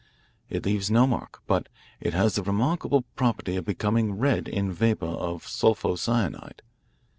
It leaves no mark. But it has the remarkable property of becoming red in vapour of sulpho cyanide.